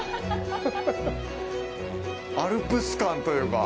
アルプス感というか。